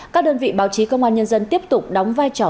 các đơn vị báo chí công an nhân dân tiếp tục đóng vai trò